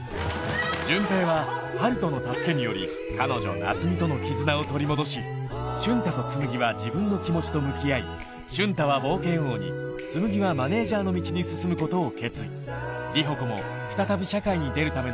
潤平は春斗の助けにより彼女奈津美との絆を取り戻し瞬太とつむぎは自分の気持ちと向き合い瞬太は冒険王につむぎはマネジャーの道に進むことを決意里穂子も再び社会に出るための